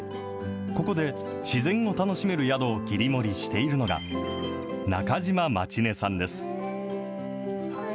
ここで自然を楽しめる宿を切り盛りしているのが、中島舞宙音さんです。